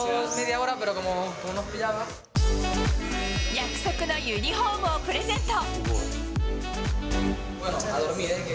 約束のユニホームをプレゼント。